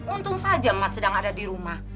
untung saja mas sedang ada di rumah